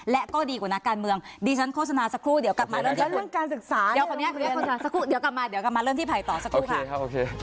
และก็ดีกว่านักการเมืองดีฉันโฆษณาสักครู่เดี๋ยวกลับมาเริ่มที่ภัยต่อสักครู่ค่ะ